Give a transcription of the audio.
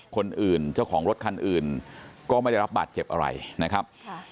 คนอื่นเจ้าของรถคันอื่นก็ไม่ได้รับบาดเจ็บอะไรนะครับ